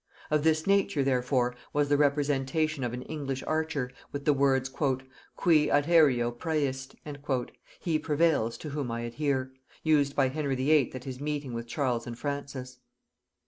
Of this nature therefore was the representation of an English archer, with the words "Cui adhæreo præest" (He prevails to whom I adhere), used by Henry VIII. at his meeting with Charles and Francis.